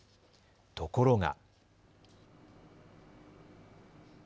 ところが。